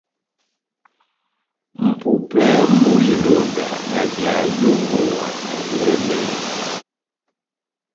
Mʼpumpɛ mú ilonda na jaha yongowa na yɛhɛmɛhɛ,